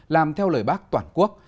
làm theo lời bác toàn quốc